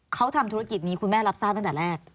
เขาทำธุรกิจนี้คุณแม่รับทราบตั้งแต่แรก